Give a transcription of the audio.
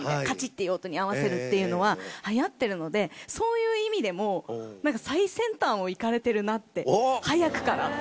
カチっていう音に合わせるっていうのははやってるのでそういう意味でも最先端をいかれてるなって早くから。